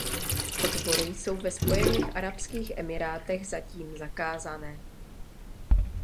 Odbory jsou ve Spojených arabských emirátech zatím zakázané.